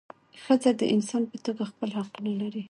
ښځه د انسان په توګه خپل حقونه لري.